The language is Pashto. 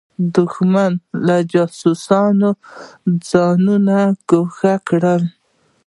له دښمن له جاسوسانو ځانونه ګوښه کړو.